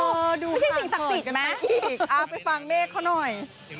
อ๋อไม่ใช่สิ่งศักดิ์สิทธิ์มั้ยพี่อีกไปฟังเมฆเค้าหน่อย